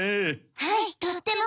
はいとっても。